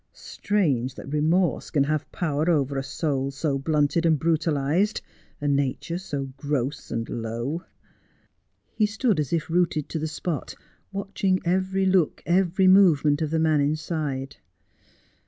Strange that remorse can have power over a soul so blunted and brutalized, a nature so gross and low.' He stood as if rooted to the spot, watching every look, every movement of the man inside.